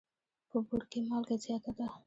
په بوړ کي مالګه زیاته ده.